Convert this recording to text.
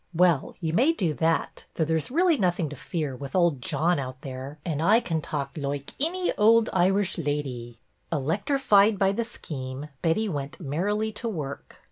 "Well, you may do that, though there's really nothing to fear, with old John out there, and I can talk loike anny ould Oirish leddy." Electrified by the scheme, Betty went merrily to work.